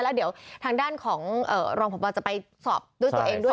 แล้วเดี๋ยวทางด้านของรองพบจะไปสอบด้วยตัวเองด้วย